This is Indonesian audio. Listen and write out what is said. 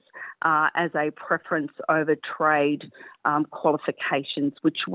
memiliki preferensi ke kualifikasi perusahaan